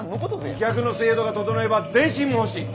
飛脚の制度が整えば電信も欲しい。